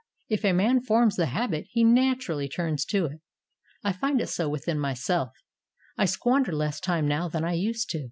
H a man forms the habit, he natur ally turns to it. I find it so with myself. I squander less time now than I used to do."